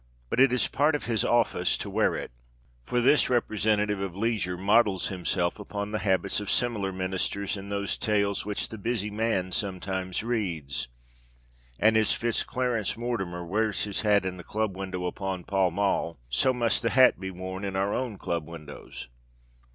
But it is part of his office to wear it. For this representative of leisure models himself upon the habits of similar ministers in those tales which the busy man sometimes reads; and as Fitz Clarence Mortimer wears his hat in the club window upon Pall Mall, so must the hat be worn in our own club windows.